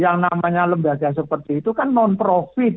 yang namanya lembaga seperti itu kan non profit